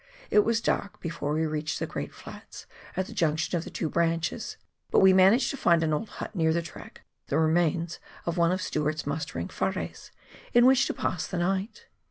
It was dark before we reached the great flats, at the junction of the two branches, but we managed to find an old hut near the track — the remains of one of Stewart's mustering " whares "— in which to pass the night.